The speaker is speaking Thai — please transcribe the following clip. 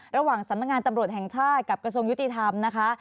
ระหว่างสำนักงานตำรวจแห่งชาติกับกระทรวงยุติธรรมนะคะ